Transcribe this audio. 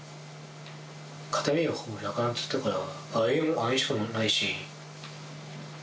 形見もなくなっちゃったから、あれしかもうないし。